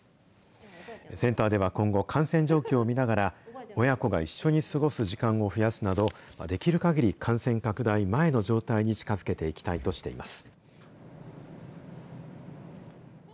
センターでは今後、感染状況を見ながら、親子が一緒に過ごす時間を増やすなど、できるかぎり感染拡大前の状態に近づけていきたいとしています。